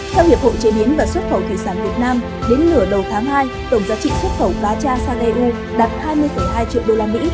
theo hiệp hội chế biến và xuất khẩu thủy sản việt nam đến nửa đầu tháng hai tổng giá trị xuất khẩu cá tra sang eu đạt hai mươi hai triệu usd